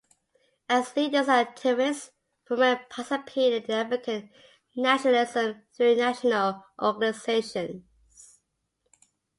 As leaders and activists, women participated in African nationalism through national organisations.